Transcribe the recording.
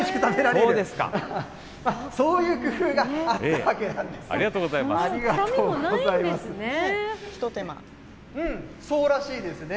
そういう工夫があったわけなんですね。